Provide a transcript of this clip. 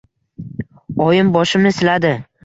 Oyim boshimni siladi.